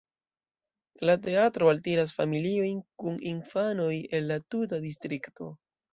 La teatro altiras familiojn kun infanoj el la tuta distrikto.